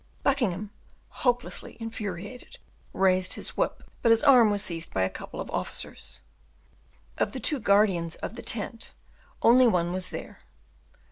Buckingham, hopelessly infuriated, raised his whip; but his arm was seized by a couple of officers. Of the two guardians of the tent, only one was there.